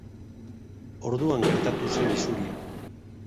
Orduan gertatu zen isuria.